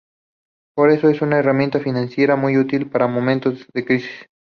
Por eso es una herramienta financiera muy útil para momentos de crisis.